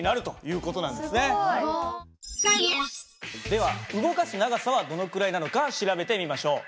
では動かす長さはどのくらいなのか調べてみましょう。